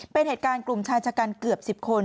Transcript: เป็นเหตุการณ์กลุ่มชายชะกันเกือบ๑๐คน